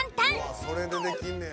わあそれでできんねや。